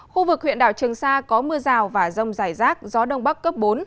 khu vực huyện đảo trường sa có mưa rào và rông dài rác gió đông bắc cấp bốn